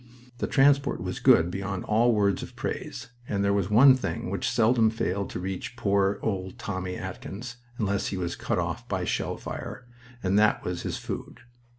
The transport was good beyond all words of praise, and there was one thing which seldom failed to reach poor old Tommy Atkins, unless he was cut off by shell fire, and that was his food.